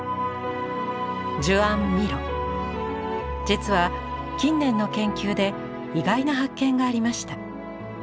実は近年の研究で意外な発見がありました。